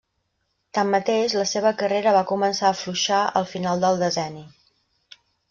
Tanmateix la seva carrera va començar a afluixar al final del decenni.